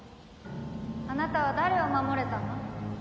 あなたは誰を守れたの？